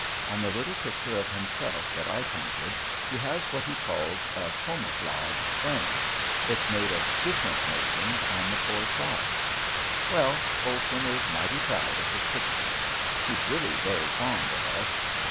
On the little picture of himself that I painted he has what he calls a "comoflag" frame; it's made of different moldings on the four sides. Well, Olson is mighty proud of his pictures. He's really very fond of us.